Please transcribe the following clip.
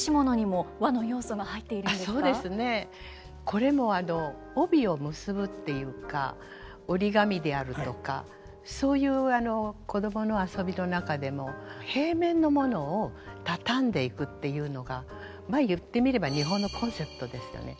これも帯を結ぶっていうか折り紙であるとかそういう子供の遊びの中での平面のものをたたんでいくっていうのがまあ言ってみれば日本のコンセプトですよね。